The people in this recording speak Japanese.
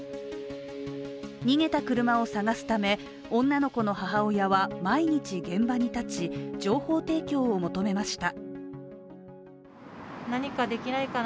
逃げた車を捜すため女の子の母親は毎日、現場に立ち、情報提供を求めました。